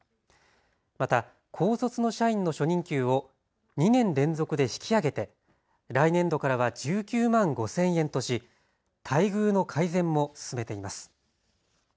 また高卒の社員の初任給を２年連続で引き上げて来年度からは１９万５０００円とし待遇の改善も進めています。